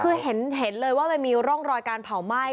คือเห็นเลยว่ามันมีร่องรอยการเผาไหม้